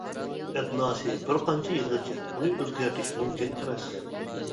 ئەدناسى بىر قانچە يىلغىچە ئۇنى ئۆزگەرتىش مۇمكىن ئەمەس.